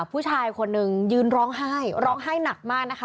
ผู้ชายคนหนึ่งยืนร้องไห้ร้องไห้หนักมากนะคะ